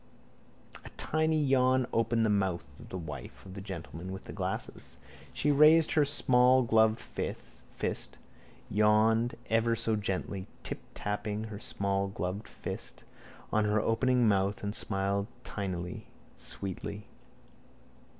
A tiny yawn opened the mouth of the wife of the gentleman with the glasses. She raised her small gloved fist, yawned ever so gently, tiptapping her small gloved fist on her opening mouth and smiled tinily, sweetly.